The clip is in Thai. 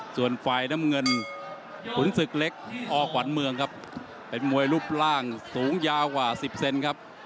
ส่วนฝ่ายน้ำเงินขุนศึกเล็กออกขวัญเมืองครับเป็นมวยรูปร่างสูงยาวกว่า๑๐เซนครับ